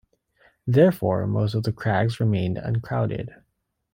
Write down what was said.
Therefore, most of the crags remain uncrowded.